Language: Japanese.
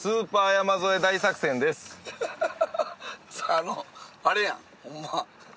あのあれやんホンマ